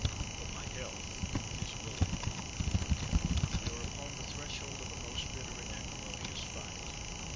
But my health is bully. We are upon the threshold of a most bitter and acrimonious fight.